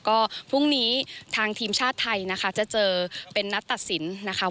ก็พรุ่งนี้ทางทีมชาติไทยนะคะจะเจอเป็นนัดตัดสินนะคะ